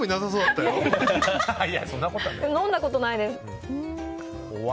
飲んだことないです。